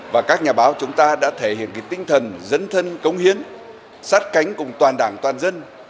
và các nhà báo chúng ta đã thể hiện cái tinh thần dân thân công hiến sát cánh cùng toàn đảng toàn dân